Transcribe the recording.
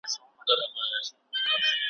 د رنګونو وېش یې کړی په اوله ورځ سبحان ,